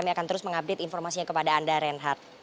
mengupdate informasinya kepada anda renhard